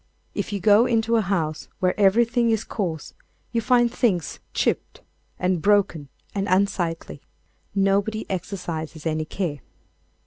If you go into a house where everything is coarse, you find things chipped and broken and unsightly. Nobody exercises any care.